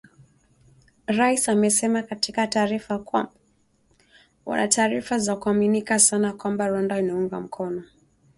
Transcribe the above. Rais amesema katika taarifa kwamba “wana taarifa za kuaminika sana kwamba Rwanda inaunga mkono waasi", katika mikutano kadhaa ambayo imefanyika